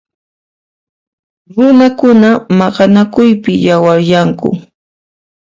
Runakuna maqanakuypi yawaryanku.